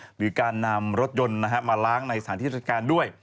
หรือการนำรถยนต์มาล้างในสถานที่ราชการด้วย